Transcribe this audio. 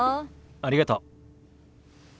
ありがとう。